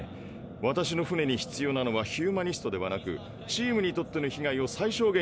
私の船に必要なのはヒューマニストではなくチームにとっての被害を最小限におさえられるリアリストだ。